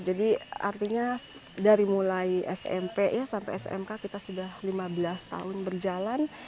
jadi artinya dari mulai smp sampai smk kita sudah lima belas tahun berjalan